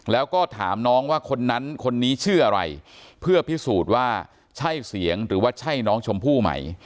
แล้วก็ถามน้องว่าคนนั้นคนนี้ชื่ออะไรเพื่อพิสูจน์ว่าใช่เสียงหรือว่าใช่น้องชมพู่ไหม